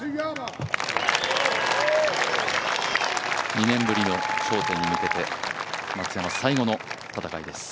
２年ぶりの頂点に向けて、松山、最後の戦いです。